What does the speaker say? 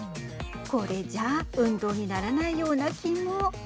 これじゃあ運動にならないような気も。